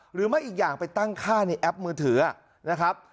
หรือไม่อีกอย่างไปตั้งค่าในแอปมือถือนะครับ